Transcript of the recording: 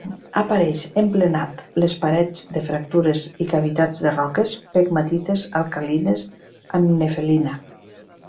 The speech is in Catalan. Apareix emplenat les parets de fractures i cavitats de roques pegmatites alcalines amb nefelina.